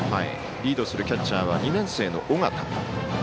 リードするキャッチャーは２年生の尾形。